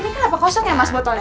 ini kenapa kosong ya mas botolnya